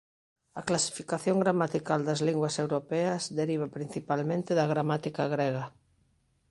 A clasificación gramatical das linguas europeas deriva principalmente da gramática grega.